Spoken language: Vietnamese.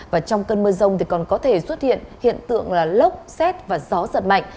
và trong cơn mưa rông thì còn có thể xuất hiện hiện tượng là lốc xét và gió giật mạnh